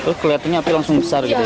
oh kelihatannya api langsung besar gitu ya